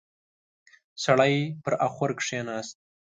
سړی پر اخور کېناست.